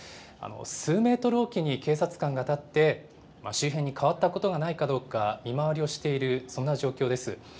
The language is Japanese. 数メートルおきに警察官が立って、周辺に変わったことがないかどうか見回りをしている、そんな状況です。